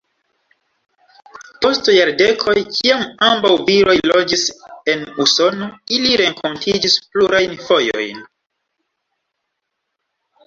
Post jardekoj kiam ambaŭ viroj loĝis en Usono, ili renkontiĝis plurajn fojojn.